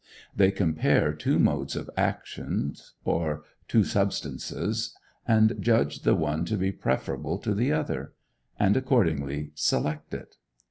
They compare two modes of action, or two substances, and judge the one to be preferable to the other, and accordingly select it.